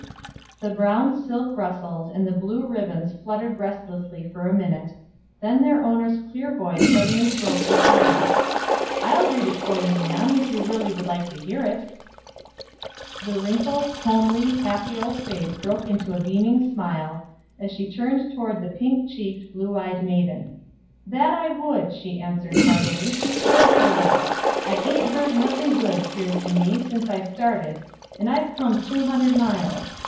The brown silk rustled, and the blue ribbons fluttered restlessly for a minute; then their owner's clear voice suddenly broke the silence: "I'll read it for you, ma'am, if you really would like to hear it." The wrinkled, homely, happy old face broke into a beaming smile, as she turned toward the pink cheeked, blue eyed maiden. "That I would," she answered, heartily, "dreadful well. I ain't heard nothing good, 'pears to me, since I started; and I've come two hundred miles.